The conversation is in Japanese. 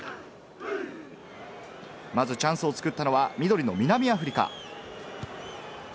まずチャンスを作ったのは緑の南アフリカ。